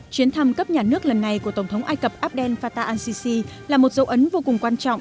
chuyến thăm cấp nhà nước lần này của tổng thống ai cập abdel fattah al sisi là một dấu ấn vô cùng quan trọng